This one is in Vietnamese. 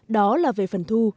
đó là về phần thu